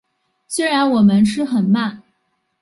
虽然我们吃很慢